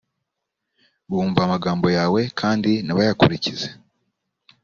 bumva amagambo yawe kandi ntibayakurikize